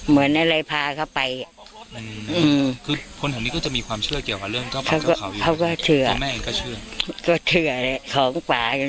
เหมือนอะไรพาเข้าไปคือพวกอ๋อนนี้ก็จะมีความเชื่อเกี่ยวกับ